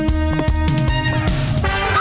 สวัสดีฮะ